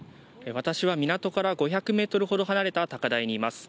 私は港から５００メートルほど離れた高台にます。